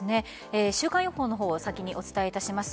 週間予報の方を先にお伝えします。